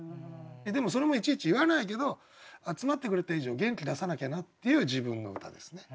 でもそれもいちいち言わないけど集まってくれた以上元気出さなきゃなっていう自分の歌ですね。